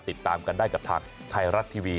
ติดตามกันได้กับทางไทยรัฐทีวี